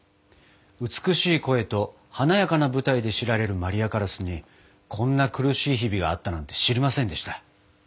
美しい声と華やかな舞台で知られるマリア・カラスにこんな苦しい日々があったなんて知りませんでした。